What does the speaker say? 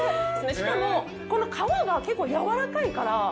しかもこの革が結構やわらかいから。